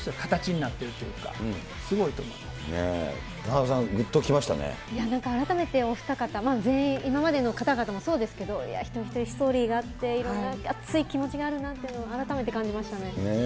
田中さん、ぐっときま改めて、お二方、全員、今までの方々もそうですけど、一人一人ストーリーがあって、いろんな熱い気持ちがあるなっていうのを改めて感じましたね。